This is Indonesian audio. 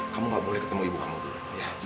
kamu gak boleh ketemu ibu kamu dulu